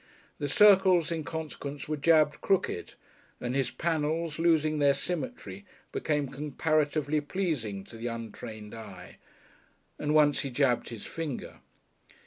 The circles in consequence were jabbed crooked; and his panels, losing their symmetry, became comparatively pleasing to the untrained eye and once he jabbed his finger.